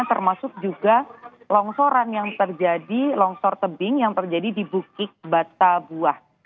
termasuk juga longsoran yang terjadi longsor tebing yang terjadi di bukit batabuah